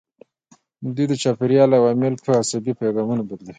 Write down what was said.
دوی د چاپیریال عوامل په عصبي پیغامونو بدلوي.